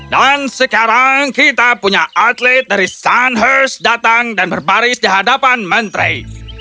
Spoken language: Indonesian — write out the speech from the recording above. dan sekarang kita punya atlet dari st hurst datang dan berbaris di hadapan menteri